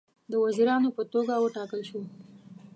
د وزیرانو په توګه وټاکل شول.